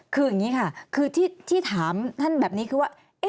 คืออย่างนี้ค่ะคือที่ถามท่านแบบนี้คือว่า